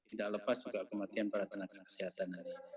tidak lepas juga kematian para tenaga kesehatan